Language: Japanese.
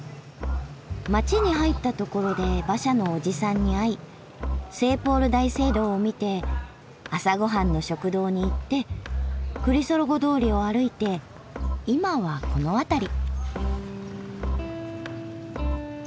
街に入ったところで馬車のおじさんに会い聖ポール大聖堂を見て朝ごはんの食堂に行ってクリソロゴ通りを歩いて今はこの辺り。